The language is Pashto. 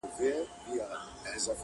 ځان به آصل ورته ښکاري تر خپلوانو,